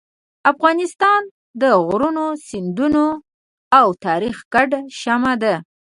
افغانستان د غرونو، سیندونو او تاریخ ګډه شمع ده.